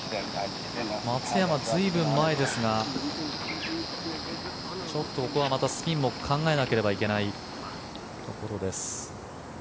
松山、随分前ですがちょっとここはまたスピンも考えないといけないところです。